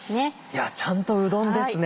いやちゃんとうどんですね。